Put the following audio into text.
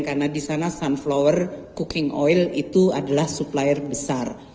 karena di sana sunflower cooking oil itu adalah supplier besar